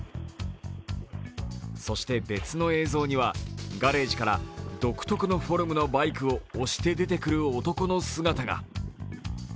そして別の映像にはガレージから独特のフォルムのバイクを押して出てくる男の姿が。